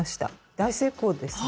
大成功ですね。